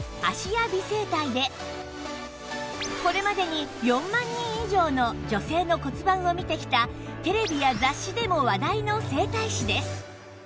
芦屋美整体でこれまでに４万人以上の女性の骨盤を見てきたテレビや雑誌でも話題の整体師です